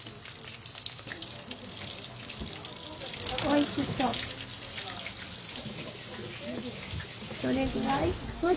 おいしそう。